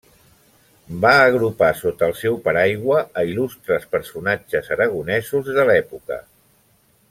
Va agrupar sota el seu paraigua a il·lustres personatges aragonesos de l'època.